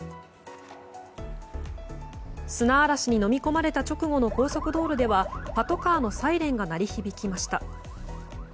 砂嵐にのみ込まれた直後の高速道路ではパトカーのサイレンが鳴り響きました。